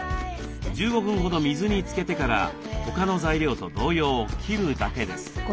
１５分ほど水につけてから他の材料と同様切るだけです。